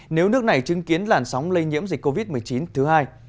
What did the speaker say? nếu nước này chứng kiến làn sóng lây nhiễm dịch covid một mươi chín thứ hai